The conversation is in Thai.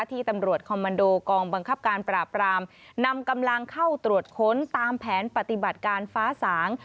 ที่ตำรวจคอมมันโดกองบังคับการปราบรามนำกำลังเข้าตรวจค้นตามแผนปฏิบัติการฟ้าสาง